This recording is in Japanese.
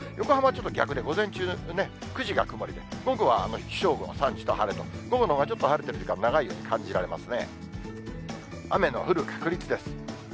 ちょっと逆で、午前中、９時が曇りで、午後は彰悟、３時、晴れと、午後のほうがちょっと晴れてる時間が長いように感じられますね。